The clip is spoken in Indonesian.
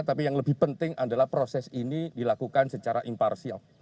tapi yang lebih penting adalah proses ini dilakukan secara imparsial